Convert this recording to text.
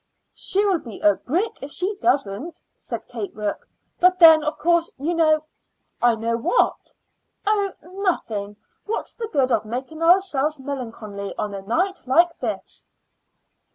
"She'll be a brick if she doesn't," said Kate Rourke. "But then, of course, you know " "I know what?" "Oh, nothing. What's the good of making ourselves melancholy on a night like this?"